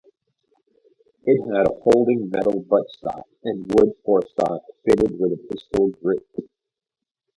It had a folding metal buttstock and wood forestock fitted with a pistol grip.